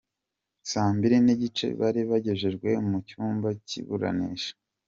Saa mbili n’igice bari bagejejwe mu cyumba cy’iburanisha.